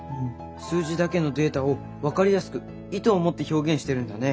数字だけのデータを分かりやすく意図を持って表現してるんだね。